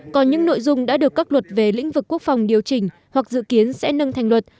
còn những nội dung đã được các luật về lĩnh vực quốc phòng điều chỉnh hoặc dự kiến sẽ nâng thành luật